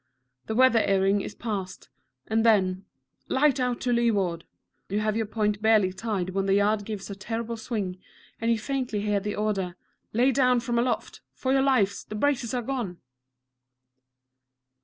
The weather earing is passed, and then, "Light out to leeward;" you have your point barely tied when the yard gives a terrible swing, and you faintly hear the order, "Lay down from aloft, for your lives; the braces are gone!"